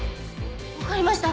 わかりました。